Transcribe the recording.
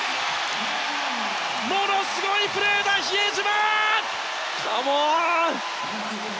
ものすごいプレーだ、比江島！